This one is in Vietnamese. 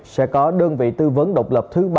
sẽ có đơn vị tư vấn độc lập thứ ba